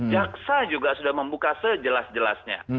jaksa juga sudah membuka sejelas jelasnya